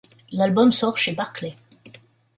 L'album sort chez Barclay.